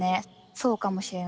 そうかもしれない。